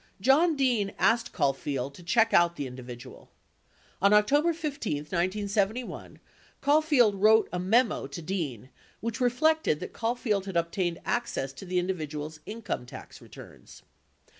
John Dean asked Caulfield to check out the individual. On October 15, 1971, Caulfield wrote a memo to Dean which reflected that Caulfield had obtained access to the individual's income tax returns.